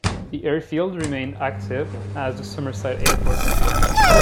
The airfield remains active as the Summerside Airport.